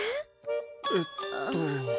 えっと。